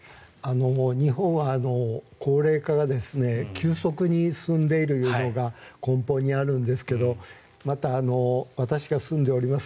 日本は高齢化が急速に進んでいるというのが根本にあるんですけどまた、私が住んでおります